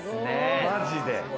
マジで！